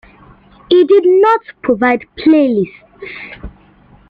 It did not provide playlists.